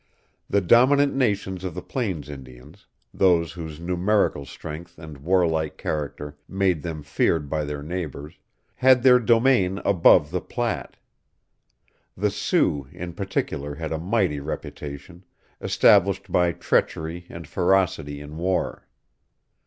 The dominant nations of the plains Indians those whose numerical strength and war like character made them feared by their neighbors had their domain above the Platte. The Sioux in particular had a mighty reputation, established by treachery and ferocity in war.